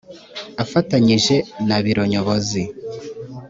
afatanyije na biro nyobozi